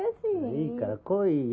・いいから来いよ。